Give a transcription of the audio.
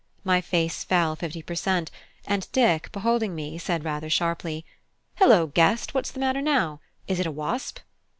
My face fell fifty per cent., and Dick, beholding me, said rather sharply "Hilloa, Guest! what's the matter now? Is it a wasp?"